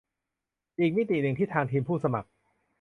อีกมิติหนึ่ง ที่ทางทีมผู้สมัคร